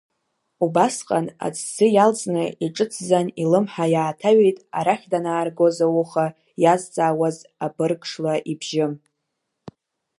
Убасҟан аҭӡы иалҵны иҿыцӡан илымҳа иааҭаҩит арахь данааргоз ауха иазҵаауаз абырг-шла ибжьы…